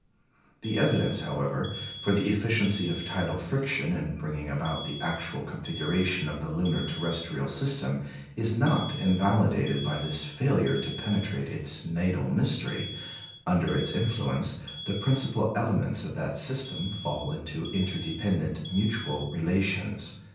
" The evidence, however, for the efficiency of tidal friction in bringing about the actual configuration of the lunar terrestrial system is not invalidated by this failure to penetrate its natal mystery. Under its influence the principal elements of that system fall into interdependent mutual relations.